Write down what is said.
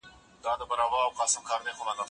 خاوند به د ميرمني مراعات کوونکی وي.